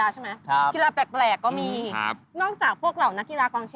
อาจจะมีลูกบอลรอยมาปั๊บสายอะไรอย่างนี้